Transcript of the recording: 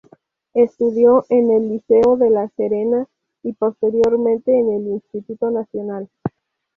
Estudió en el Liceo de La Serena y posteriormente en el Instituto Nacional.